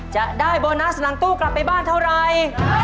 จะได้โบนัสหลังตู้กลับไปบ้านเท่าไร